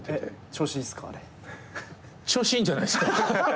調子いいんじゃないっすか？